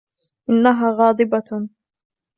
إنها غاضبة.